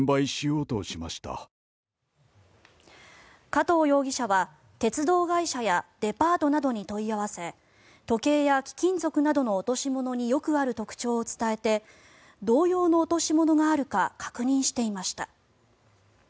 加藤容疑者は鉄道会社やデパートなどに問い合わせ時計や貴金属などの落とし物によくある特徴を伝えて同様の落とし物があるか確認していました。